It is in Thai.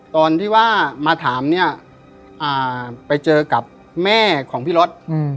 ตอนที่ว่ามาถามเนี่ยไปเจอกับแม่ของพี่รถ